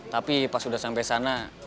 tapi pas udah sampe sana